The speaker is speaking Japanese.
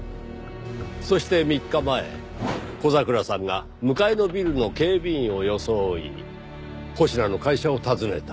そして３日前小桜さんが向かいのビルの警備員を装い保科の会社を訪ねた。